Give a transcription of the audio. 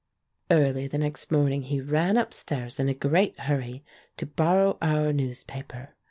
Early the next morning he ran upstairs in a great hurry to borrow our newspaper.